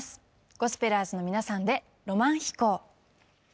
ゴスペラーズの皆さんで「浪漫飛行」。